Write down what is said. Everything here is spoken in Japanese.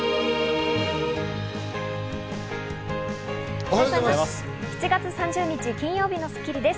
おはようございます。